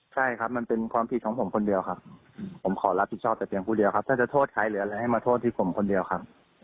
ใช่ครับมันเป็นความผิดของผมคนเดียวครับผมขอรับผิดชอบแต่เพียงผู้เดียวครับถ้าจะโทษใครหรืออะไรให้มาโทษที่ผมคนเดียวครับ